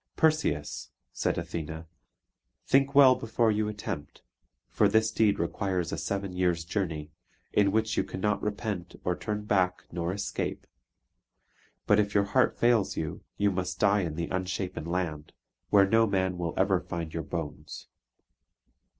"Perseus," said Athene, "think well before you attempt; for this deed requires a seven years' journey, in which you cannot repent or turn back nor escape; but if your heart fails you, you must die in the Unshapen Land, where no man will ever find your bones."